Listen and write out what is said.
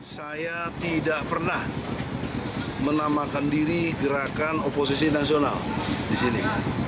saya tidak pernah menamakan diri gerakan oposisi nasional di sini